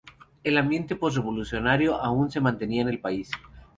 El ambiente post-revolucionario aún se mantenía en el país.